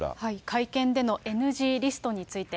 会見でのＮＧリストについて。